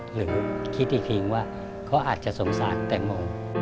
หรือคิดอีกทีว่าเขาอาจจะสงสารแตงโม